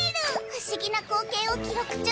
不思議な光景を記録中！